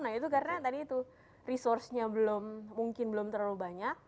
nah itu karena tadi itu resource nya belum mungkin belum terlalu banyak